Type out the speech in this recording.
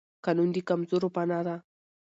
قانون د کمزورو پناه ده